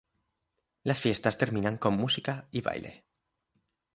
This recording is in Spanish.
Las fiestas terminan con música y baile.